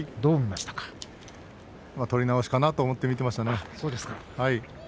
取り直しかなと思って見ていましたね。